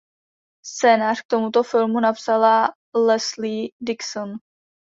Scénář k tomuto filmu napsala Leslie Dixon.